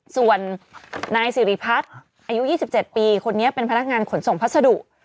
ส่วนนายสิริพัฒน์อายุ๒๗ปีคนนี้เป็นพนักงานขนส่งพัสดุ